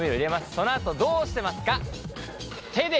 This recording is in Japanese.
そのあとどうしてますか？